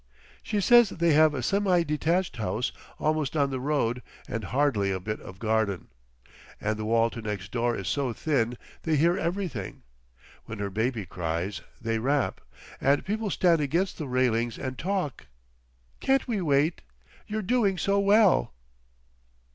She says they have a semi detached house almost on the road, and hardly a bit of garden. And the wall to next door is so thin they hear everything. When her baby cries—they rap. And people stand against the railings and talk.... Can't we wait? You're doing so well."